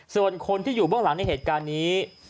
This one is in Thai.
ส่วนคนที่อยู่เบื้องหลังในเหตุการณ์นี้